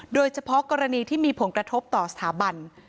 โดยเฉพาะกรณีที่มีผลกระทบต่อสถาบัน